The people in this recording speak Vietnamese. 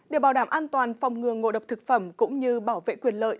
để bảo đảm an toàn phòng ngừa ngộ độc thực phẩm cũng như bảo vệ quyền lợi